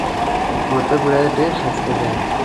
وردک ولایت ډیر ښایسته دی.